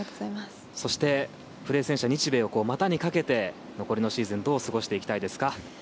そして古江選手日米を股にかけて残りのシーズンどう過ごしていきたいですか？